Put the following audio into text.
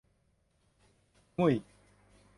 งู่ย